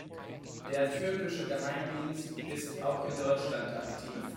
Der türkische Geheimdienst ist auch in Deutschland aktiv.